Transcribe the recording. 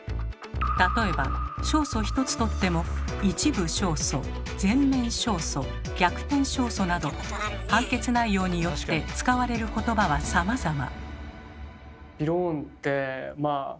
例えば勝訴ひとつとっても「一部勝訴」「全面勝訴」「逆転勝訴」など判決内容によって使われる言葉はさまざま。